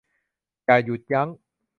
อย่าหยุดยั้ง